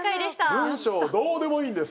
文章どうでもいいんです。